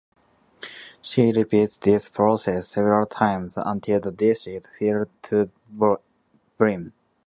She repeats this process several times until the dish is filled to the brim.